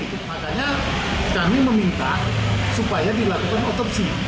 makanya kami meminta supaya dilakukan otopsi